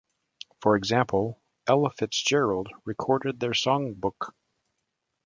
For example, Ella Fitzgerald recorded their songbook.